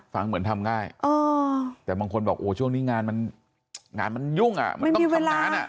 ฟังเหมือนทำได้แต่บางคนบอกโอ้ช่วงนี้งานมันยุ่งมันต้องทำงาน